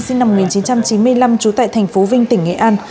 sinh năm một nghìn chín trăm chín mươi năm trú tại thành phố vinh tỉnh nghệ an